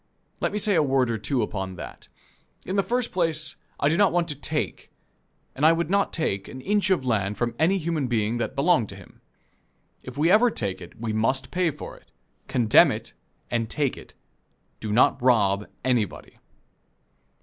Let me say a word or two upon that. In the first place I do not want to take, and I would not take, an inch of land from any human being that belonged to him. If we ever take it, we must pay for it condemn it and take it do not rob anybody.